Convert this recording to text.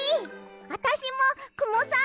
あたしもくもさん